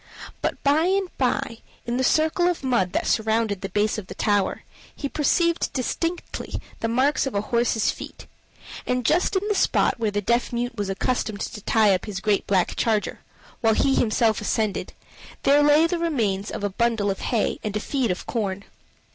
But by and by, in the circle of mud that surrounded the base of the tower, he perceived distinctly the marks of a horse's feet, and just in the spot where the deaf mute was accustomed to tie up his great black charger, while he himself ascended, there lay the remains of a bundle of hay and a feed of corn.